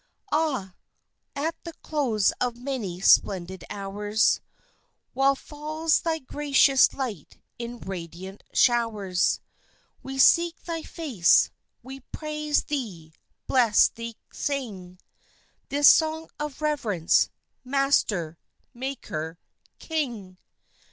Ah! at the close of many splendid hours, While falls Thy gracious light in radiant showers, We seek Thy face, we praise Thee, bless Thee, sing This song of reverence, Master, Maker, King!